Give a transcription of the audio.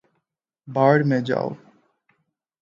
بھاڑ میں جاؤ